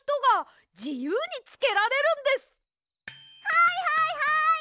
はいはいはい！